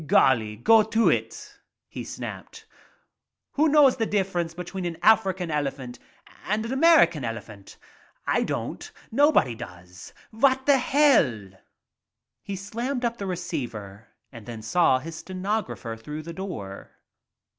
'■*■•, go to it," he snapped. "Who knows the difference between an African elephant and a Amer ican elephant. I don't. Nobody does. Vat .; hell?" ■^ He slammed up the receiver and then saw his stenographer through the door.